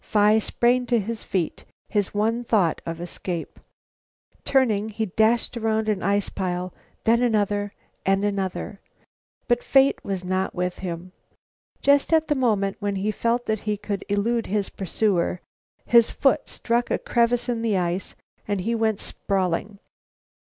Phi sprang to his feet, his one thought of escape. Turning, he dashed around an ice pile, then another and another. But fate was not with him. Just at the moment when he felt that he could elude his pursuer, his foot struck a crevice in the ice, and he went sprawling.